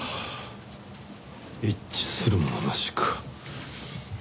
一致するものなしか。